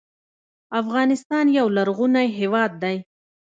افغانستان یو لرغونی هیواد دی.